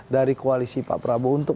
dari koalisi pak prabowo untuk